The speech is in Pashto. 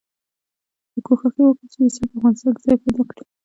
کوښښ یې وکړ چې روسیه په افغانستان کې ځای پیدا کړي.